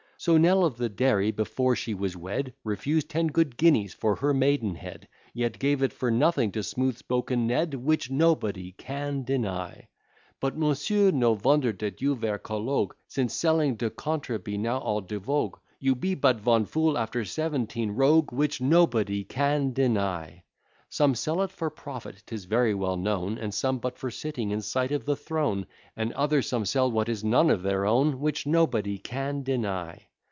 So Nell of the Dairy, before she was wed, Refused ten good guineas for her maidenhead, Yet gave it for nothing to smooth spoken Ned. Which nobody can deny. But, Monsieur, no vonder dat you vere collogue, Since selling de contre be now all de vogue, You be but von fool after seventeen rogue. Which nobody can deny. Some sell it for profit, 'tis very well known, And some but for sitting in sight of the throne, And other some sell what is none of their own. Which nobody can deny.